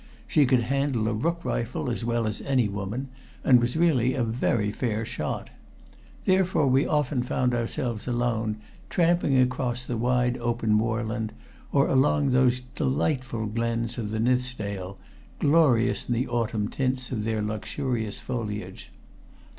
She could handle a rook rifle as well as any woman, and was really a very fair shot. Therefore we often found ourselves alone tramping across the wide open moorland, or along those delightful glens of the Nithsdale, glorious in the autumn tints of their luxurious foliage.